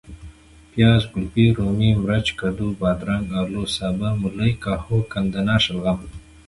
پیاز ،ګلفي ،رومي ،مرچ ،کدو ،بادرنګ ،الو ،سابه ،ملۍ ،کاهو ،ګندنه ،شلغم